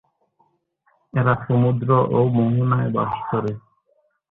এরা সমুদ্র এবং মােহনায় বাস করে।